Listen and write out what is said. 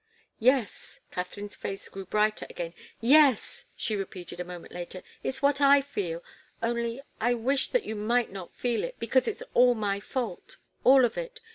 "Yes." Katharine's face grew brighter again. "Yes," she repeated, a moment later; "it's what I feel only I wish that you might not feel it, because it's all my fault all of it.